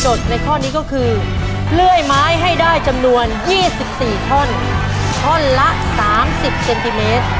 ในข้อนี้ก็คือเลื่อยไม้ให้ได้จำนวน๒๔ท่อนท่อนละ๓๐เซนติเมตร